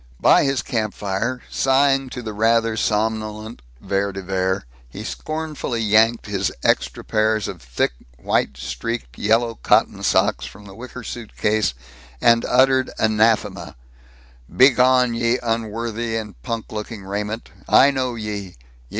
By his campfire, sighing to the rather somnolent Vere de Vere, he scornfully yanked his extra pairs of thick, white streaked, yellow cotton socks from the wicker suitcase, and uttered anathema: "Begone, ye unworthy and punk looking raiment. I know ye!